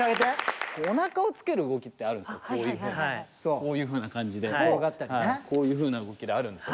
こういうふうな感じでこういうふうな動きであるんですよ。